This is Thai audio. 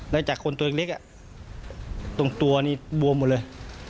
แล้วจากคนตัวเล็กตรงตัวนี้บวมหมดเลย